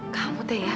kamu teh ya